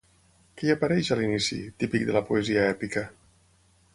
Què hi apareix a l'inici, típic de la poesia èpica?